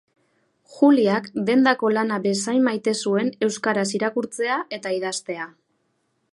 Juliak dendako lana bezain maitea zuen euskaraz irakurtzea eta idaztea.